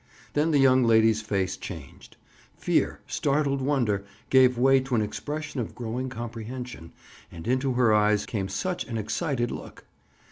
Then the young lady's face changed. Fear, startled wonder, gave way to an expression of growing comprehension and into her eyes came such an excited look.